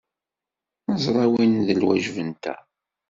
Neẓra win d lwajeb-nteɣ.